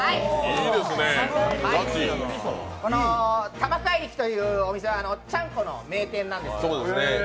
玉海力というお店はちゃんこの名店なんです。